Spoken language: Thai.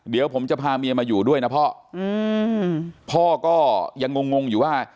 เดี๋ยวผมจะพาเมียมาอยู่ด้วยนะพ่ออืมพ่อพ่อก็ยังงงงอยู่ว่า